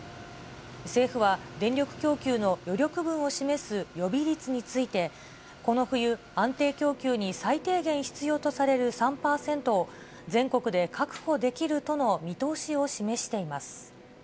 政府は電力供給の余力分を示す予備率について、この冬、安定供給に最低限必要とされる３％を、全国で確保できるとの見通しを示しています。